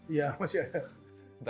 iya masih ada